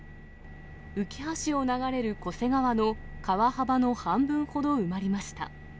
うきは市を流れる巨瀬川の川幅の半分ほど埋まりました。